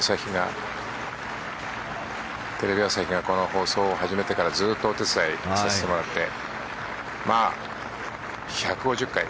テレビ朝日がこの放送を始めてからずっとお手伝いさせてもらって１５０回。